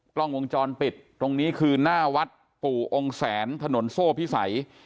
กล้องวงจรปิดตรงนี้คือหน้าวัดปู่องค์แสนถนนโซ่พิสัย